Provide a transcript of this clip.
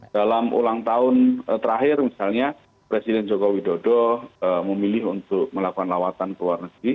dalam ulang tahun terakhir misalnya presiden jokowi dodo memilih untuk melakukan lawatan kewarna segi